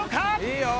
いいよ！